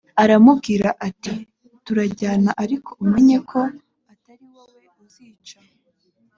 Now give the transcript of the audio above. aramubwira ati turajyana ariko umenye ko atari wowe uzica